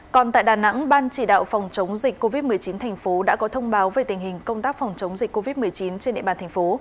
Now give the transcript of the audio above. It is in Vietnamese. còn tại đà nẵng ban chỉ đạo phòng chống dịch covid một mươi chín thành phố đã có thông báo về tình hình công tác phòng chống dịch covid một mươi chín trên địa bàn thành phố